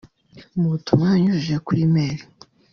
Mu butumwa yanyujije kuri E-mail